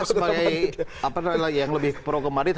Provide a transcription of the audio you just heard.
saya sebagai yang lebih pro ke madrid